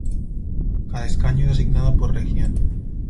Cada escaño es asignado por región.